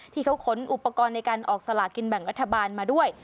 ขนอุปกรณ์ในการออกสลากินแบ่งรัฐบาลมาด้วย